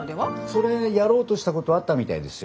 それやろうとしたことあったみたいですよ。